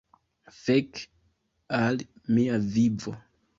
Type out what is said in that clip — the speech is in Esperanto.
Fek al mia vivo!